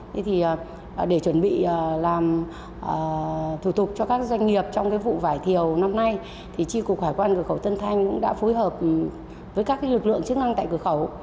thế thì để chuẩn bị làm thủ tục cho các doanh nghiệp trong cái vụ vải thiều năm nay thì tri cục hải quan cửa khẩu tân thanh cũng đã phối hợp với các lực lượng chức năng tại cửa khẩu